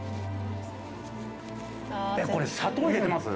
えっこれ砂糖入れてます？